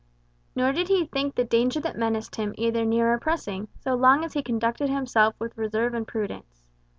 Nor did he think the danger that menaced him either near or pressing, so long as he conducted himself with reserve and prudence.